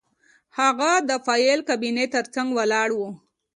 هغه د فایل کابینې ترڅنګ ولاړ و